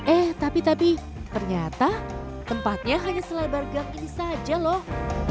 eh tapi tapi ternyata tempatnya hanya selebar gang ini saja loh